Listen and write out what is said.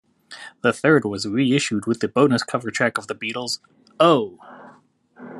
The third was reissued with the bonus cover track of The Beatles' Oh!